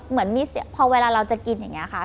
เหมือนมีพอเวลาเราจะกินอย่างนี้ค่ะ